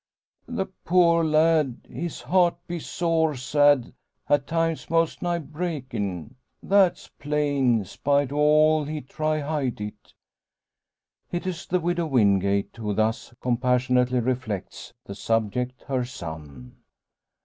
"The poor lad! His heart be sore sad; at times most nigh breakin'! That's plain spite o' all he try hide it." It is the Widow Wingate, who thus compassionately reflects the subject her son.